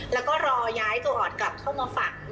แล้วก็รอย้ายตัวออดกลับเข้ามาฝัก